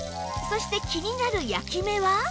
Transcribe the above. そして気になる焼き目は？